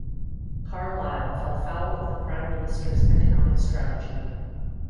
Carlisle fell foul of the Prime Minister's economic strategy.